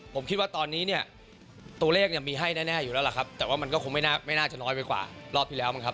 ผมคิดว่าตอนนี้เนี่ยตัวเลขเนี่ยมีให้แน่อยู่แล้วล่ะครับแต่ว่ามันก็คงไม่น่าจะน้อยไปกว่ารอบที่แล้วมั้งครับ